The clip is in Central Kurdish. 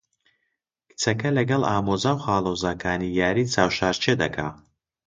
کچەکە لەگەڵ ئامۆزا و خاڵۆزاکانی یاریی چاوشارکێ دەکا.